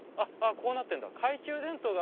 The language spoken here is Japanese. こうなってんだ。